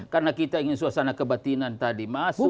karena kita ingin suasana kebatinan tadi masuk